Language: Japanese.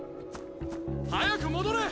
早く戻れ！